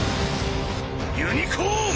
ユニコーン！